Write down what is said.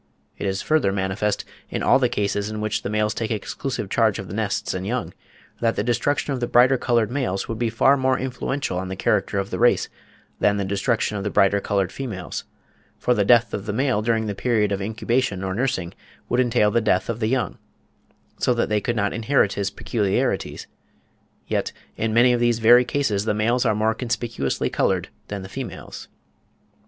It is further manifest, in all the cases in which the males take exclusive charge of the nests and young, that the destruction of the brighter coloured males would be far more influential on the character of the race, than the destruction of the brighter coloured females; for the death of the male during the period of incubation or nursing would entail the death of the young, so that they could not inherit his peculiarities; yet, in many of these very cases the males are more conspicuously coloured than the females.